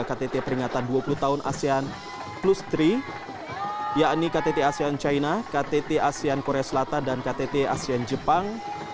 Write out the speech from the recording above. ktt asean jepang